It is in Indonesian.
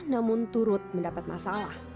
namun turut mendapat masalah